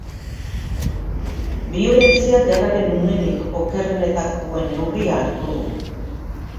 Biolentziak gerraren unerik okerrenetakoen neurria hartu du.